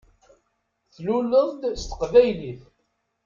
Tluleḍ-d s teqbaylit.